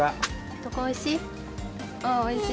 どこおいしい？